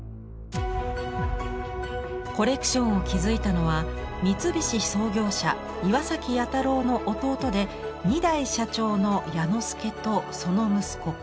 コレクションを築いたのは三菱創業者岩彌太郎の弟で２代社長の彌之助とその息子小彌太。